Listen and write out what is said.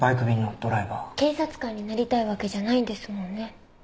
警察官になりたいわけじゃないんですもんね。